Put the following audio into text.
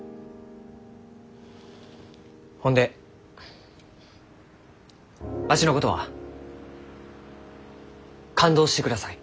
ほんでわしのことは勘当してください。